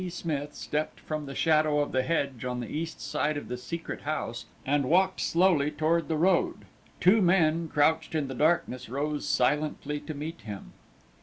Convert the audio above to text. Smith stepped from the shadow of the hedge on the east side of the Secret House, and walked slowly toward the road. Two men, crouched in the darkness, rose silently to meet him.